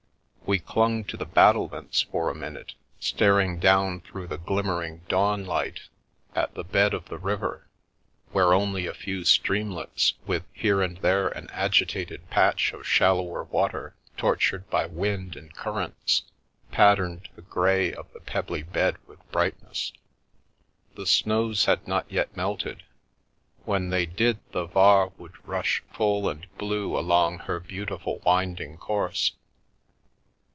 We clung to the battlements for a minute, star ing down through the glimmering dawn light at the bed 266 I Begin to Understand of the river, where only a few streamlets, with here and there an agitated patch of shallower water tortured by wind and currents, patterned the grey of the pebbly bed with brightness. The snows had not yet melted; when they did the Var would rush full and blue along her beautiful winding course.